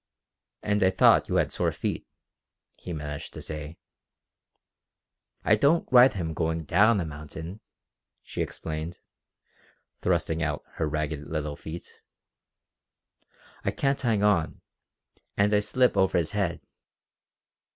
"And I thought you had sore feet," he managed to say. "I don't ride him going down a mountain," she explained, thrusting out her ragged little feet. "I can't hang on, and I slip over his head.